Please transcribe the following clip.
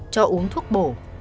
cho uống thuốc bổ